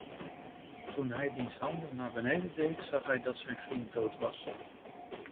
Toen hij diens handen naar beneden deed, zag hij dat zijn vriend dood was.